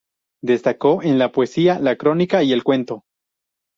Destacó en la poesía, la crónica y el cuento.